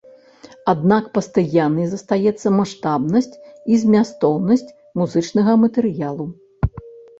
Аднак пастаяннай застаецца маштабнасць і змястоўнасць музычнага матэрыялу.